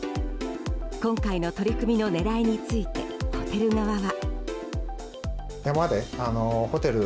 今回の取り組みの狙いについてホテル側は。